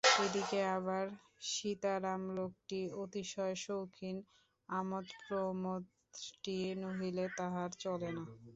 এদিকে আবার সীতারাম লোকটি অতিশয় শৌখিন, আমোদপ্রমোদটি নহিলে তাহার চলে না।